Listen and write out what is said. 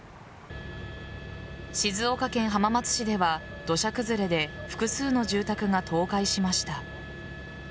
静岡県浜松市では土砂崩れで複数の住宅が倒壊しました。